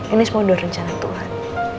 ini semua udah rencana tuhan